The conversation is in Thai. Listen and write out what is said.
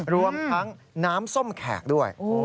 รวมทั้งน้ำส้มแขกด้วย